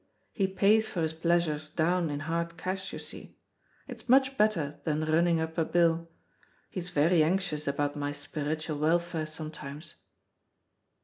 He pays for his pleasures down in hard cash, you see; it's much better than running up a bill. He is very anxious about my spiritual welfare sometimes."